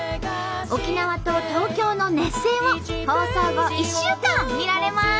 沖縄と東京の熱戦を放送後１週間見られます！